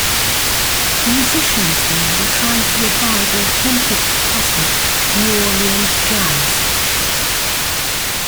Musicians there were trying to revive authentic, classic New Orleans jazz.